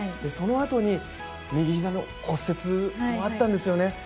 そのあとに右膝の骨折もあったんですよね。